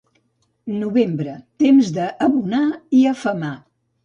Novembre, temps d'abonar i afemar.